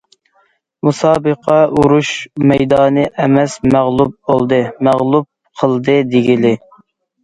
مۇسابىقە ئۇرۇش مەيدانى ئەمەس مەغلۇپ بولدى، مەغلۇپ قىلدى دېگىلى.